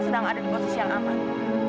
sedang ada di posisi yang aman